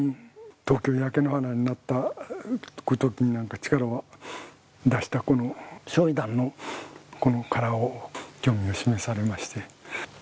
東京が焼け野原になった時に力を出したこの焼夷弾の殻を興味を示されまして。